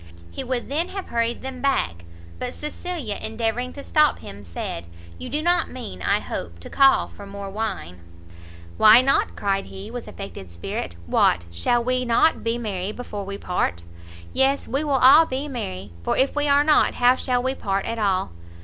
He would then have hurried them back; but Cecilia, endeavouring to stop him, said "You do not mean, I hope, to call for more wine?" "Why not?" cried he, with affected spirit, "what, shall we not be merry before we part? Yes, we will all be merry, for if we are not, how shall we part at all?